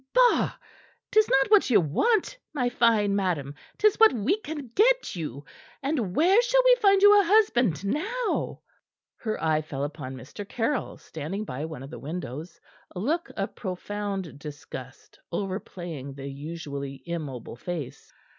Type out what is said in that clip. Bah! 'Tis not what ye want, my fine madam; 'tis what we can get you; and where shall we find you a husband now?" Her eye fell upon Mr. Caryll, standing by one of the windows, a look of profound disgust overplaying the usually immobile face.